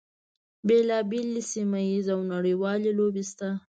بیلا بېلې سیمه ییزې او نړیوالې لوبې شته دي.